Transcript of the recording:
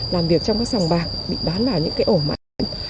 làm việc trong các sòng bạc bị bán vào những cái ổ màn